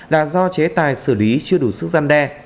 là do chế tài xử lý chưa đủ sức gian đe